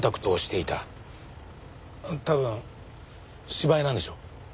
多分芝居なんでしょ？